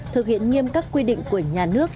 thực hiện nghiêm cấp quy định của nhà nước